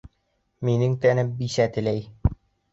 Минең тәнем бисә теләй.